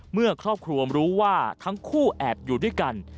เมื่อครอบครัวรู้ว่าทั้งคู่แอบอยู่ด้วยกัน